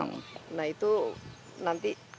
nah itu nanti